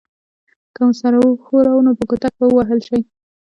که مو سر وښوراوه نو په کوتک به ووهل شئ.